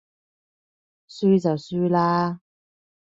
輸就輸喇